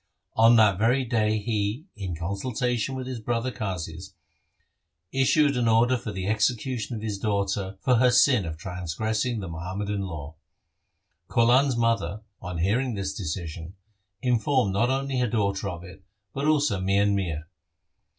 On that very day he, in consultation with his brother Qazis, issued an order for the execution of his daughter for her sin of transgressing the Muhammadan law. Kaulan' s mother, on hearing this decision, informed not only her daughter of it, but also Mian Mir.